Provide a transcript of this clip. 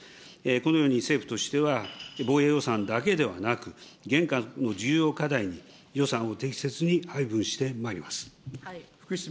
このように政府としては防衛予算だけではなく、現下の重要課題に予算を適切に配分してまいります。